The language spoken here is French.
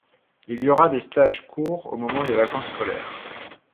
Il y aura des stages courts au moment des vacances scolaires.